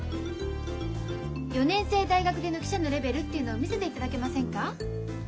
四年制大学出の記者のレベルっていうのを見せていただけませんか？